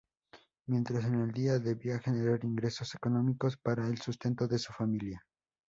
Mientras en el día, debía generar ingresos económicos para el sustento de su familia.